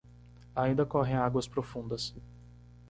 Ainda correm águas profundas